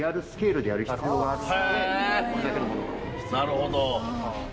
なるほど。